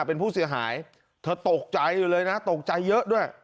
เป็นผู้เสียหายเธอตกใจอยู่เลยนะตกใจเยอะด้วย